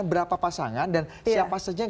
berapa pasangan dan siapa saja yang